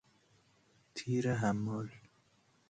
تیر حمال